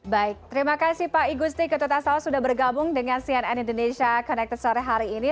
baik terima kasih pak igusti ketuta saus sudah bergabung dengan cnn indonesia connected sore hari ini